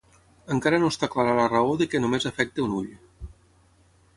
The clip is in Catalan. Encara no està clara la raó de que només afecti a un ull.